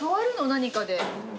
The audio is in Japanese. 何かで。